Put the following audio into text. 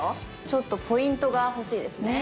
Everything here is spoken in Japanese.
ちょっとポイントが欲しいですね。